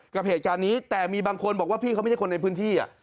กับเหตุการณ์นี้แต่มีบางคนบอกว่าพี่เขาไม่ใช่คนในพื้นที่